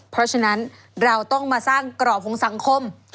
เพราะฉะนั้นเราต้องมาสร้างกรอบของสังคม